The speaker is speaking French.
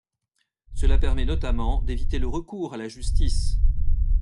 Cela permet notamment d'éviter le recours à la justice.